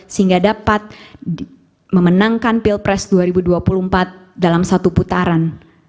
sehingga dapat memenangkan pilpres dua ribu dua puluh empat dalam satu putaran